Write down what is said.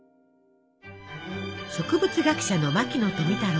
植物学者の牧野富太郎。